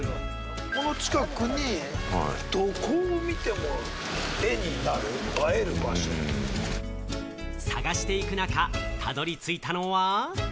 この近くに、どこを見ても絵に探していく中、たどり着いたのは。